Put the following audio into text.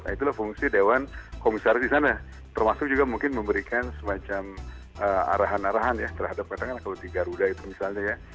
itulah fungsi dewan komisaris di sana termasuk juga mungkin memberikan semacam arahan arahan ya terhadap katakanlah kalau di garuda itu misalnya ya